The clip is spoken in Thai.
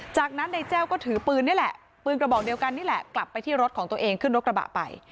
จากนั้นนายแจ้วก็ถือปืนนี่แหละปืนกระบอกเดียวกันนี่แหละกลับไปที่รถของตัวเองขึ้นรถกระบะไป